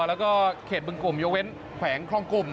แล้วก็เขตบึงกลุ่มยกเว้นแขวงคลองกลุ่ม